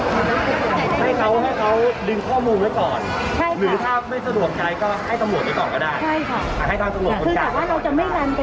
ให้เขาดึงข้อมูลต่อพูดถ้าไม่สะดวกใจก็ให้สะบวกเขาหน่อยก็ได้